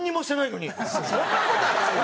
そんな事はないよ。